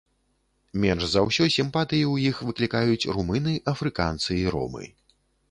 Менш за ўсё сімпатыі ў іх выклікаюць румыны, афрыканцы і ромы.